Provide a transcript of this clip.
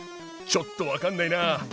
ちょっと分かんないなぁ。